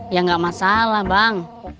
ya gak masalah bang